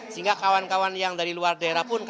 sehingga kawan kawan yang dari luar daerah pun